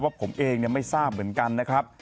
ผมเองไม่ทราบเหมือนกันนะครับ